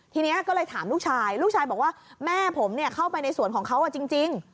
ทีนี้ก็เลยถามลูกชายลูกชายบอกว่าแม่ผมเข้าไปในสวนของเขาจริง